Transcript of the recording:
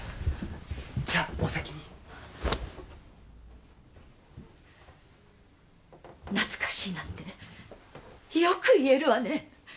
じゃあお先に懐かしいなんてよく言えるわね